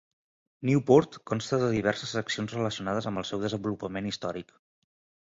Newport consta de diverses seccions relacionades amb el seu desenvolupament històric.